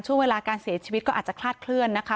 ช่วงเวลาการเสียชีวิตก็อาจจะคลาดเคลื่อนนะคะ